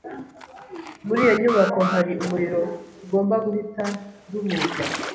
Muri iyo nyubako hari umuriro. Tugomba guhita duhunga.